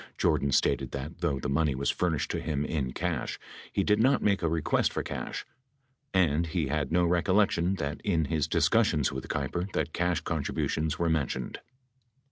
Jordan stated that, though the money was furnished to him in cash, he did not make a request for cash: and he had no recollection that in his discussions with Keiper that cash contributions were mentioned.